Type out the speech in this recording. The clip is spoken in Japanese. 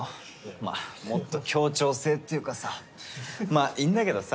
まあもっと協調性っていうかさまあいいんだけどさ。